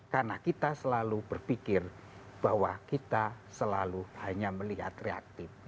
karena kita selalu berpikir bahwa kita selalu hanya melihat reaktif